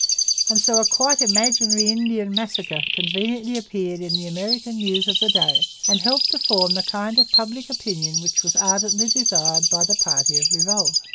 And so a quite imaginary Indian massacre conveniently appeared in the American news of the day and helped to form the kind of public opinion which was ardently desired by the party of revolt.